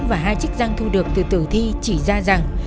từ mẫu máu và hai chiếc răng thu được từ thử thi chỉ ra rằng